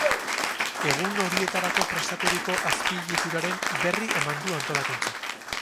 Egun horietarako prestaturiko azpiegituraren berri eman du antolakuntzak.